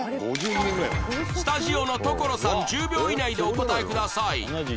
スタジオの所さん１０秒以内でお答えください